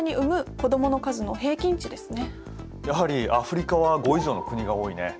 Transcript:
やはりアフリカは５以上の国が多いね。